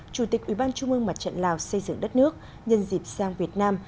chủ tịch ủy ban trung ương mặt trận lào xây dựng đất nước nhân dịp sang việt nam